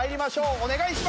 お願いします！